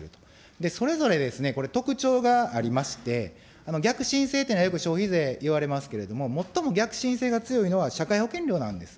で、それぞれですね、これ、特徴がありまして、逆進性っていうのはよく、消費税いわれますけれども、最も逆進性が強いのが社会保険料なんです。